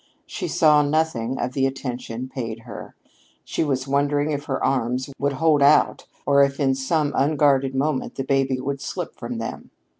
She saw nothing of the attention paid her. She was wondering if her arms would hold out or if, in some unguarded moment, the baby would slip from them.